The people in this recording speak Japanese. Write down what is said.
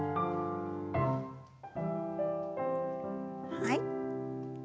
はい。